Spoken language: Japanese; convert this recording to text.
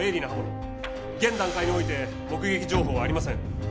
現段階において目撃情報はありません。